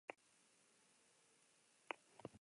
Euskal presoen sakabanaketa amaitu beharra nabarmendu zuten.